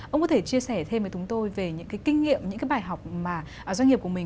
ông có thể chia sẻ thêm với chúng tôi về những cái kinh nghiệm những cái bài học mà doanh nghiệp của mình